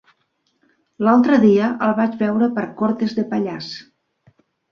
L'altre dia el vaig veure per Cortes de Pallars.